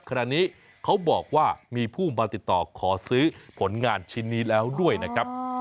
ขณะนี้เขาบอกว่ามีผู้มาติดต่อขอซื้อผลงานชิ้นนี้แล้วด้วยนะครับ